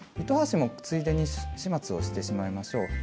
糸端もついでに始末をしてしまいましょう。